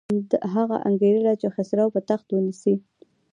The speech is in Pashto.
هغه انګېرله چې خسرو به تخت ونیسي.